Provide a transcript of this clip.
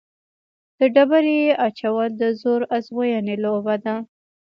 د ډبرې اچول د زور ازموینې لوبه ده.